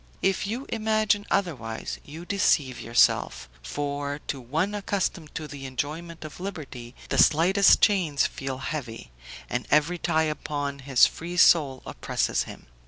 If you imagine otherwise, you deceive yourself; for, to one accustomed to the enjoyment of liberty, the slightest chains feel heavy, and every tie upon his free soul oppresses him.